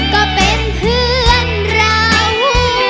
ก็เป็นเพื่อนเรา